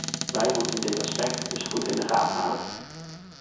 Wij moeten dit aspect dus goed in de gaten houden.